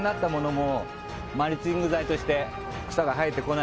も